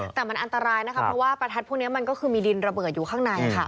แต่มันอันตรายนะคะเพราะว่าประทัดพวกนี้มันก็คือมีดินระเบิดอยู่ข้างใน